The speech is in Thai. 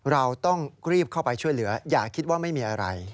เราต้องรีบเข้าไปช่วยเหลืออย่าคิดว่าไม่มีอะไร